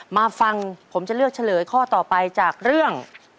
มาฟังผมจะเลือกเฉลยข้อต่อไปจากเรื่อง